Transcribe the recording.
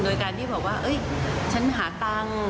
โดยการที่บอกว่าฉันหาตังค์